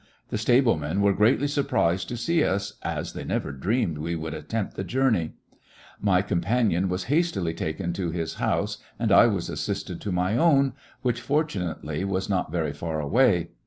The stable men were greatly surprised to see us, as they never dreamed we would attempt the journey. My companion was hastily taken to his house, and I was assisted to my own, which fortunately was not very far away.